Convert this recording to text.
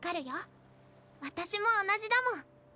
私も同じだもん。